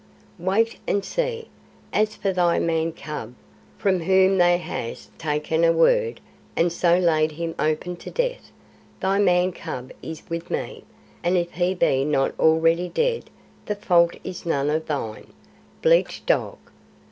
"Wait and see. As for THY Man cub, from whom thou hast taken a Word and so laid him open to Death, THY Man cub is with ME, and if he be not already dead the fault is none of thine, bleached dog!